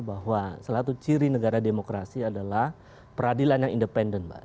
bahwa salah satu ciri negara demokrasi adalah peradilan yang independen mbak